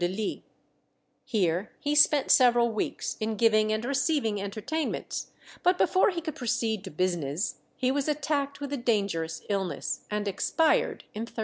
Here he spent several weeks in giving and receiving entertainments; but before he could proceed to business, he was attacked with a dangerous illness, and expired in 1364.